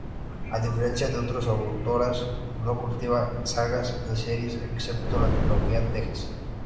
A diferencia de otras autoras, no cultiva sagas ni series, excepto la trilogía "Texas!